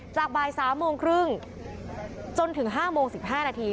บ่าย๓โมงครึ่งจนถึง๕โมง๑๕นาที